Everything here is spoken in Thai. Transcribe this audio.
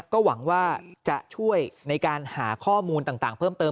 ก็หวังว่าจะช่วยในการหาข้อมูลต่างเพิ่มเติม